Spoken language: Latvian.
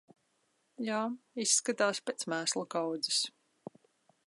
Jā, izskatās pēc mēslu kaudzes.